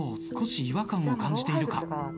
少し違和感を感じているか？